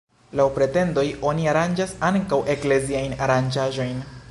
Laŭ pretendoj oni aranĝas ankaŭ ekleziajn aranĝaĵojn.